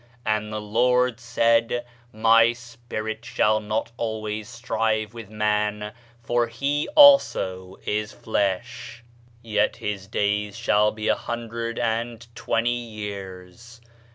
"And the Lord said, My Spirit shall not always strive with man, for that he also is flesh: yet his days shall be a hundred and twenty years.